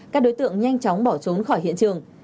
các đối tượng nhanh chóng bỏ trốn khỏi hiện trường